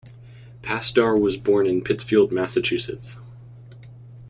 Pasdar was born in Pittsfield, Massachusetts.